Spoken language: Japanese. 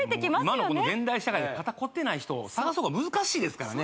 今のこの現代社会で肩こってない人さがす方が難しいですからね